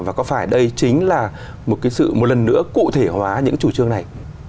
và có phải đây chính là một cái sự một lần nữa cụ thể hóa những chủ trương này